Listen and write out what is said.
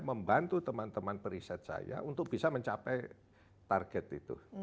membantu teman teman periset saya untuk bisa mencapai target itu